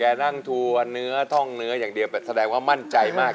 นั่งทัวร์เนื้อท่องเนื้ออย่างเดียวแต่แสดงว่ามั่นใจมาก